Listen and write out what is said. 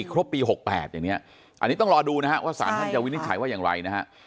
ครบปี๖๘อย่างนี้อันนี้ต้องรอดูนะฮะว่าสารท่านจะวินิจฉัยว่าอย่างไรนะฮะ